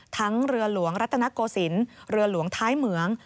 ทั้งเรือหลวงรัตนโกศิลป์เรือหลวงท้ายเหมือง